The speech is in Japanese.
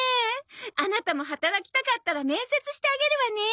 アナタも働きたかったら面接してあげるわね。